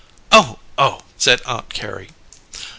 "Oh, oh!" said Aunt Carrie.